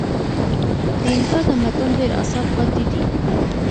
د اینکا تمدن ډېر اثار پاتې دي.